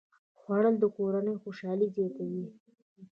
خوړل د کورنۍ خوشالي زیاته وي